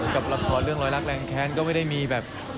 กับละครเรื่องรอยรักแรงแค้นก็ไม่ได้มีแบบ